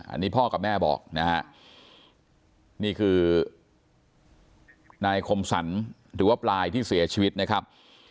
อันนี้พ่อกับแม่บอกนะฮะนี่คือนายคมสรรหรือว่าปลายที่เสียชีวิตนะครับ